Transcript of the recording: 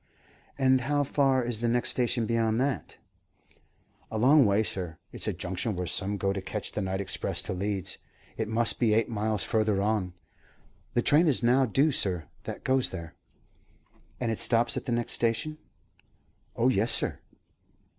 "And how far is the next station beyond that?" "A long way, sir. It's a junction where some go to catch the night express to Leeds. It must be eight miles further on. The train is now due, sir, that goes there." "And it stops at the next station?" "Oh yes, sir."